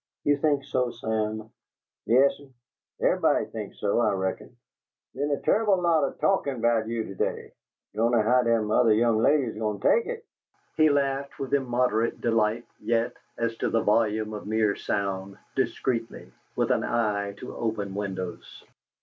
"You think so, Sam?" "Yes'm. Ev'ybody think so, I reckon. Be'n a tai'ble lot o' talkum 'bout you to day. Dun'no' how all dem oth' young ladies goin' take it!" He laughed with immoderate delight, yet, as to the volume of mere sound, discreetly, with an eye to open windows.